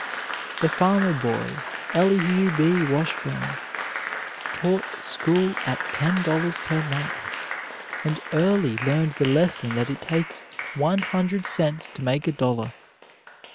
The farmer boy, Elihu B. Washburn, taught school at ten dollars per month, and early learned the lesson that it takes one hundred cents to make a dollar.